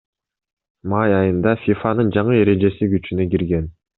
Май айында ФИФАнын жаңы эрежеси күчүнө кирген.